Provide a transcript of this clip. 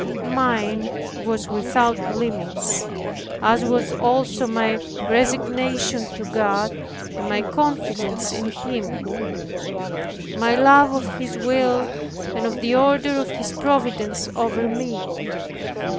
Mine was without limits, as was also my resignation to God, and my confidence in Him my love of His will, and of the order of His providence over me.